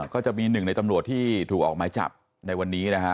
ก็จะมีหนึ่งในตำรวจที่ถูกออกหมายจับในวันนี้นะฮะ